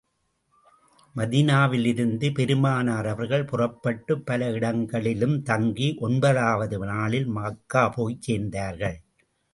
மதீனாவிலிருந்து பெருமானார் அவர்கள் புறப்பட்டுப் பல இடங்களிலும் தங்கி ஒன்பதாவது நாளில் மக்கா போய்ச் சேர்ந்தார்கள்.